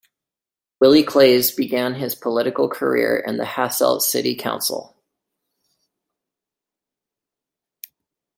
Willy Claes began his political career in the Hasselt city council.